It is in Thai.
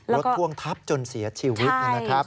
รถพ่วงทับจนเสียชีวิตนะครับ